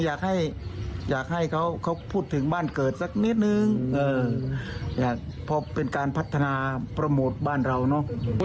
อยากให้อยากให้เขาพูดถึงบ้านเกิดสักนิดนึงอยากพอเป็นการพัฒนาโปรโมทบ้านเราเนอะ